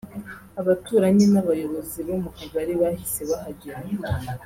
Abaturanyi n’abayobozi bo mu kagari bahise bahagera